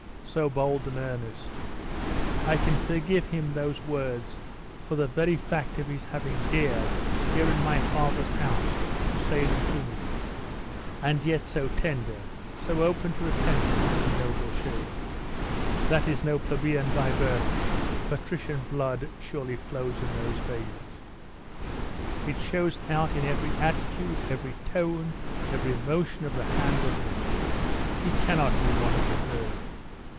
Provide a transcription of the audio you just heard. So bold and earnest! I can forgive him those words for the very fact of his having dared, here in my fathers house, to say them to me.... And yet so tender, so open to repentance and noble shame! That is no plebeian by birth; patrician blood surely flows in those veins; it shows out in every attitude, every tone, every motion of the hand and lip. He cannot be one of the herd.